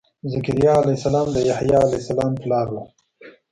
ذکریا علیه السلام د یحیا علیه السلام پلار و.